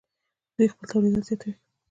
دوی خپل تولیدات زیاتوي.